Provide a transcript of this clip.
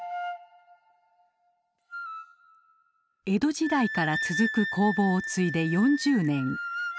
江戸時代から続く工房を継いで４０年。